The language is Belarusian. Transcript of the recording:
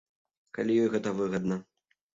Калі ёй гэта выгадна.